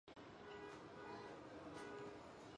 拉氏清溪蟹为溪蟹科清溪蟹属的动物。